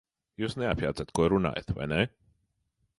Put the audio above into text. Jūs neapjēdzat, ko runājat, vai ne?